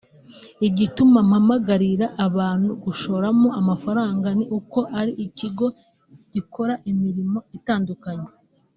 Igituma mpamagarira abantu gushoramo amafaranga ni uko ari ikigo gikora imirimo itandukanye